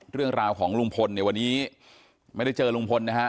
เรื่องราวของลุงพลเนี่ยวันนี้ไม่ได้เจอลุงพลนะฮะ